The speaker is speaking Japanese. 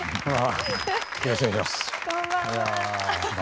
よろしくお願いします。